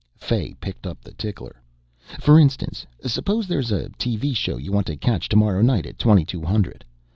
Fay picked up the tickler. "For instance, suppose there's a TV show you want to catch tomorrow night at twenty two hundred."